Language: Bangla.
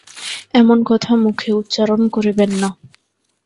এমন কথা মুখে উচ্চারণ করিবেন না।